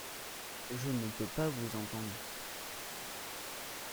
Je ne peux pas vous entendre.